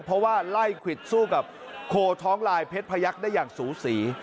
เพราะว่าไล่ควิดสู้กับโคท้องลายเพชรพยักษ์ได้อย่างสูสี